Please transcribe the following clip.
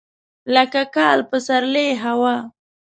لکه کال، پسرلی، هوا.